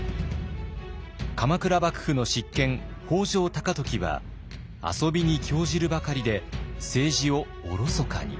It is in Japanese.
鎌倉幕府の執権北条高時は遊びに興じるばかりで政治をおろそかに。